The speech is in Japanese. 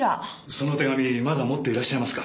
その手紙まだ持っていらっしゃいますか？